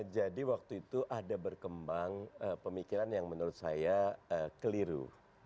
waktu itu ada berkembang pemikiran yang menurut saya keliru